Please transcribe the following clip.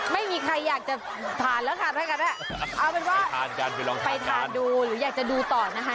ไม่มีใครอยากจะผ่านแล้วค่ะเอาเป็นว่าไปทานดูหรืออยากจะดูต่อนะคะ